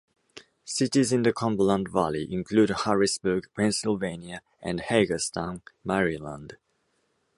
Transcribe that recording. Cities in the Cumberland Valley include Harrisburg, Pennsylvania, and Hagerstown, Maryland.